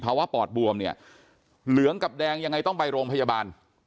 ปอดบวมเนี่ยเหลืองกับแดงยังไงต้องไปโรงพยาบาล